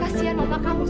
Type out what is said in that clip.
kasian mama kamu sat